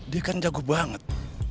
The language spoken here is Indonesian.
dia kan jago banget